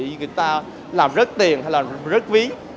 như người ta làm rất tiền hay là làm rất ví